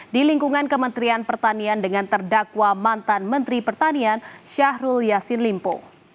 di lingkungan kementerian pertanian dengan terdakwa mantan menteri pertanian syahrul yassin limpo